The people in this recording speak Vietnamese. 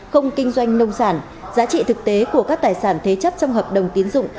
không kinh doanh nông sản giá trị thực tế của các tài sản thế chấp trong hợp đồng tiến dụng